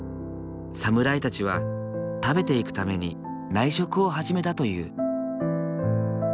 侍たちは食べていくために内職を始めたという。